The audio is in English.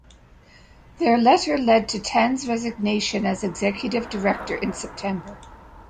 Their letter led to Tan's resignation as executive director in September.